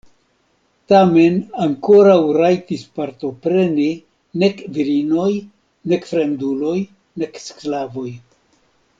Tamen ankoraŭ rajtis partopreni nek virinoj nek fremduloj nek sklavoj.